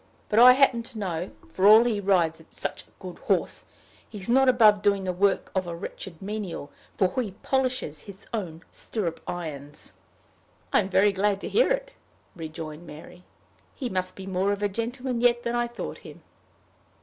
"But I happen to know, for all he rides such a good horse, he's not above doing the work of a wretched menial, for he polishes his own stirrup irons." "I'm very glad to hear it," rejoined Mary. "He must be more of a gentleman yet than I thought him."